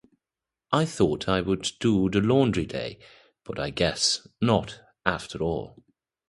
I thought I would do the laundry today, but I guess not after all.